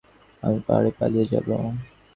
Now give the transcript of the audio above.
জন্মোৎসব শেষ হবার সঙ্গে সঙ্গে আমি পাহাড়ে পালিয়ে যাব।